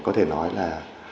có thể nói là